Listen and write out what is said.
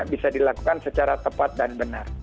bisa dilakukan secara tepat dan benar